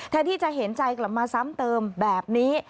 แทนที่จะเห็นใจกลับมาซ้ำเติมแบบนี้